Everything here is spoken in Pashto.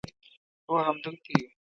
هو همدلته یو